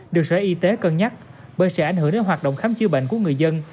được sở y tế cân nhắc bởi sẽ ảnh hưởng đến hoạt động khám chữa bệnh của người dân